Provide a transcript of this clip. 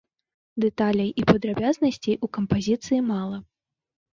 Дэталей і падрабязнасцей у кампазіцыі мала.